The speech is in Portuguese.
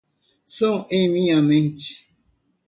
Som em minha mente